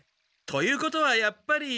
ということはやっぱり。